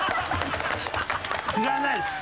知らないです。